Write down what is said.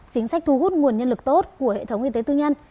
chính sách thu hút nguồn nhân lực tốt của hệ thống y tế tư nhân